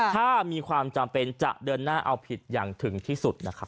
ถ้ามีความจำเป็นจะเดินหน้าเอาผิดอย่างถึงที่สุดนะครับ